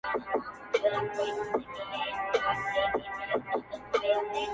o سر څه په لوټه سپېره څه په شدياره!